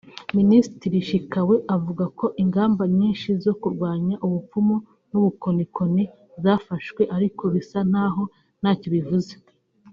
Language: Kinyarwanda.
Minisitiri Chikawe avuga ko ingamba nyinshi zo kurwanya ubupfumu n’ubukonikoni zafashwe ariko bisa ntaho ntacyo bivuze